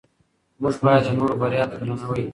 موږ باید د نورو بریا ته درناوی وکړو